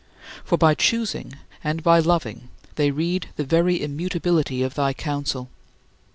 For by choosing and by loving they read the very immutability of thy counsel.